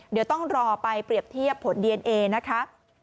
เดี๋ยวต้องรอไปเปรียบเทียบผลดีเอนเอนะคะ